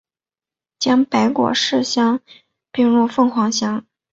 将白果市乡并入凤凰乡。